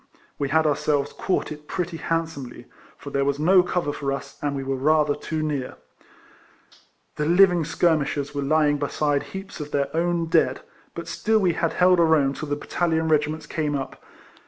We had ourselves caught it pretty hand somely ; for there was no cover for us, and we were rather too near. The living skir mishers were lying beside heaps of their own dead; but still we had held our own till the battalion regiments came up.